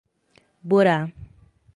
Borá